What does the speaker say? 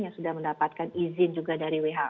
yang sudah mendapatkan izin juga dari who